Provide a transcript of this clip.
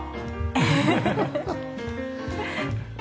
フフフフ。